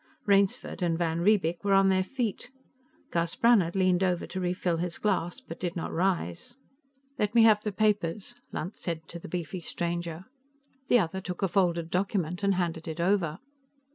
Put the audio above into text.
Rainsford and van Riebeek were on their feet. Gus Brannhard leaned over to refill his glass, but did not rise. "Let me have the papers," Lunt said to the beefy stranger. The other took a folded document and handed it over.